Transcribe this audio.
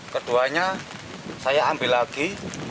keduanya saya ambil lagi